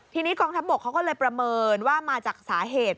ทีนี้กองทัพบกเขาก็เลยประเมินว่ามาจากสาเหตุ